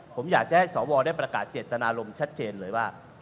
ผมอยากจะให้สวได้ประกาศเจตนารมณ์ชัดเจนเลยว่า